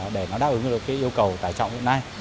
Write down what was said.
để nó đáp ứng được cái yêu cầu tải trọng hiện nay